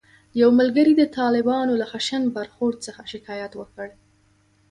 یو ملګري د طالبانو له خشن برخورد څخه شکایت وکړ.